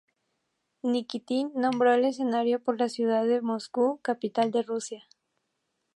Nikitin nombró el escenario por la ciudad de Moscú, capital de Rusia.